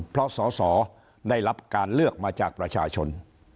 เพราะสอสอได้รับการเลือกมาจากประชาชน